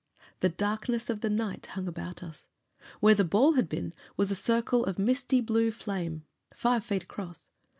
The darkness of the night hung about us. Where the ball had been was a circle of misty blue flame, five feet across.